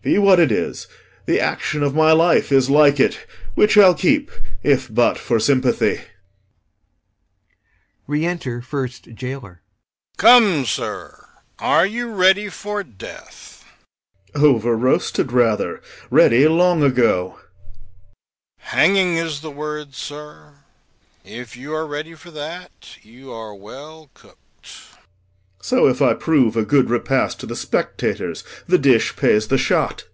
Be what it is, The action of my life is like it, which I'll keep, if but for sympathy. Re enter GAOLER GAOLER. Come, sir, are you ready for death? POSTHUMUS. Over roasted rather; ready long ago. GAOLER. Hanging is the word, sir; if you be ready for that, you are well cook'd. POSTHUMUS. So, if I prove a good repast to the spectators, the dish pays the shot.